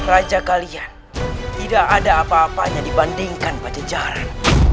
raja kalian tidak ada apa apanya dibandingkan pada jahat